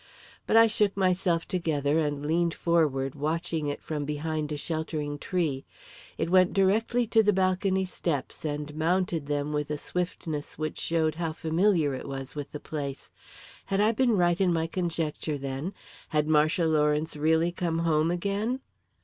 But I shook myself together, and leaned forward watching it from behind a sheltering tree. It went directly to the balcony steps, and mounted them with a swiftness which showed how familiar it was with the place. Had I been right in my conjecture, then? Had Marcia Lawrence really come home again?